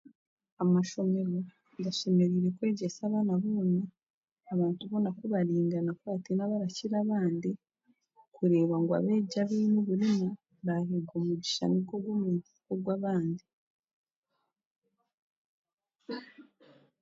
Amashomero gashemereire kwegyesa abaana boona, abantu boona ku baringana ku hatiine abarakira abandi kureeba ngu abeegi abaine oburema baaheebwa omugisha nigwo gumwe nk'ogw'abandi,